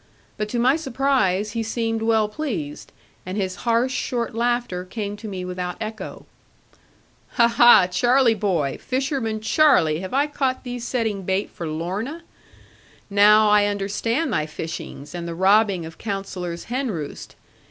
But to my surprise, he seemed well pleased; and his harsh short laughter came to me without echo, 'Ha, ha! Charlie boy! Fisherman Charlie, have I caught thee setting bait for Lorna? Now, I understand thy fishings, and the robbing of Counsellor's hen roost.